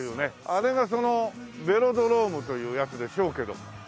あれがそのベロドロームというやつでしょうけども。